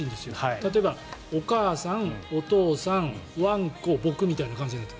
例えば、お母さん、お父さんワンコ、僕みたいな感じ。